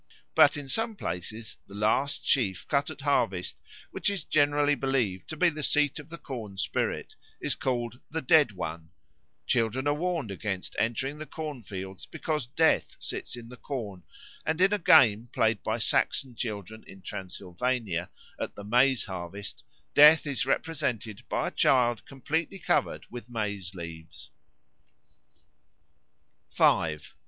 But in some places the last sheaf cut at harvest, which is generally believed to be the seat of the corn spirit, is called "the Dead One": children are warned against entering the corn fields because Death sits in the corn; and, in a game played by Saxon children in Transylvania at the maize harvest, Death is represented by a child completely covered with maize leaves. 5.